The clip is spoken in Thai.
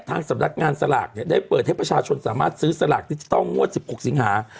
ทางสำนักงานสลากเนี่ยได้เปิดให้ประชาชนสามารถซื้อสลากดิจิทัลงวด๑๖สิงหา